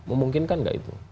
memungkinkan nggak itu